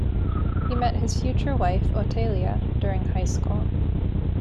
He met his future wife, Otelia, during high school.